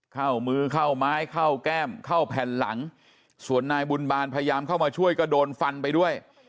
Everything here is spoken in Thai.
เข้ามือเข้าไม้เข้าแก้มเข้าแผ่นหลังส่วนนายบุญบาลพยายามเข้ามาช่วยก็โดนฟันไปด้วย